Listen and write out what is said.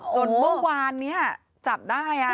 จนเมื่อวานนี้จับได้